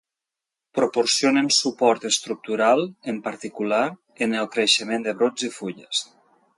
Proporcionen suport estructural, en particular en el creixement de brots i fulles.